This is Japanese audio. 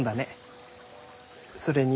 それに。